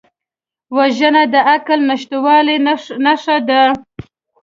وژنه د عقل نشتوالي نښه ده